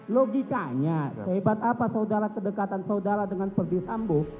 logikanya sehebat apa saudara kedekatan saudara dengan perdisambu